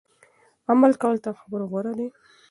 عمل کول تر خبرو غوره دي.